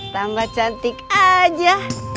tambah cantik aja